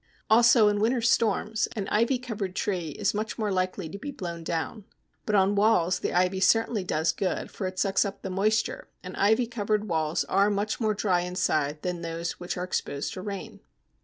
Also, in winter storms an ivy covered tree is much more likely to be blown down. But on walls the ivy certainly does good, for it sucks up the moisture, and ivy covered walls are much more dry inside than those which are exposed to rain.